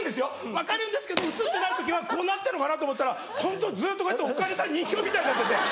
分かるんですけど映ってない時はこうなってるのかなと思ったらホントずっと置かれた人形みたいになってて。